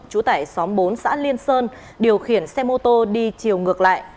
chú tại xóm bốn xã liên sơn điều khiển xe mô tô đi chiều ngược lại